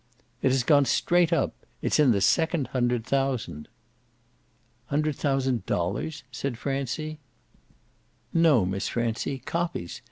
"It has gone straight up. It's in the second hundred thousand." "Hundred thousand dollars?" said Francie. "No, Miss Francie, copies.